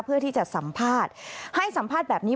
เพื่อที่จะสัมภาษณ์ให้สัมภาษณ์แบบนี้